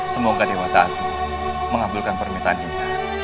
semoga dewata aku mengambilkan permintaan dinda